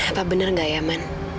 apa benar gak ya man